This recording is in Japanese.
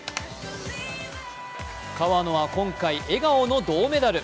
川野は今回、笑顔の銅メダル。